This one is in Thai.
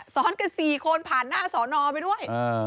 ซ้อนกัน๔คนผ่านหน้าสอนอไปด้วย